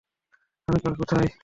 আগামীকাল, কোথায়?